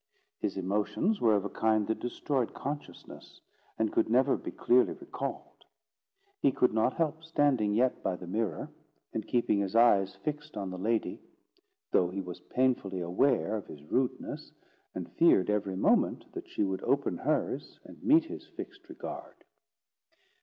His emotions were of a kind that destroyed consciousness, and could never be clearly recalled. He could not help standing yet by the mirror, and keeping his eyes fixed on the lady, though he was painfully aware of his rudeness, and feared every moment that she would open hers, and meet his fixed regard.